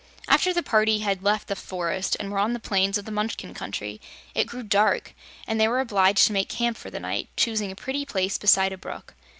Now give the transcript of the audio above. After the party had left the forest and were on the plains of the Munchkin Country, it grew dark, and they were obliged to make camp for the night, choosing a pretty place beside a brook.